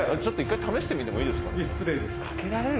１回試してみてもいいですか？